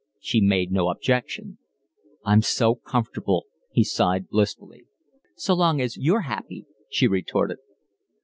She made no objection. "I'm so comfortable," he sighed blissfully. "So long as you're happy," she retorted.